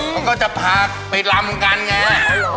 เขาก็จะพาไปลำกันไง